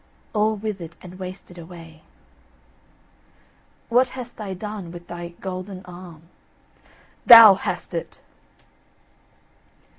"All withered and wasted away." "What hast thou done with thy Golden Arm?" "THOU HAST IT!"